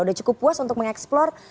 sudah cukup puas untuk mengeksplor